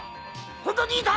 ホントにいた！